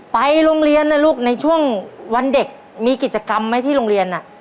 ไปโรงเรียนนะลูกในช่วงวันเด็กมีกิจกรรมไหมที่โรงเรียน